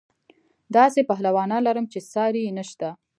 داسې پهلوانان لرم چې ساری یې نشته.